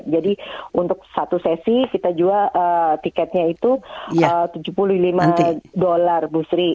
jadi untuk satu sesi kita jual tiketnya itu tujuh puluh lima dolar